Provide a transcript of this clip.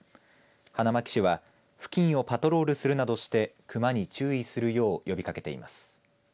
花巻市は付近をパトロールするなどして熊に注意するよう呼びかけています。